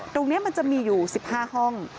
ตรงนี้มันจะมีอยู่๑๕ห้อง